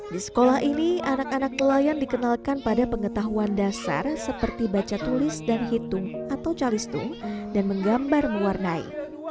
di sekolah ini anak anak nelayan dikenalkan pada pengetahuan dasar seperti baca tulis dan hitung atau calistung dan menggambar mewarnai